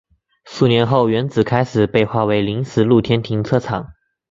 数年后原址开始被划为临时露天停车场。